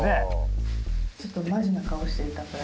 ちょっとマジな顔してたから。